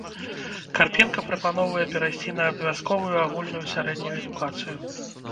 Карпенка прапаноўвае перайсці на абавязковую агульную сярэднюю адукацыю.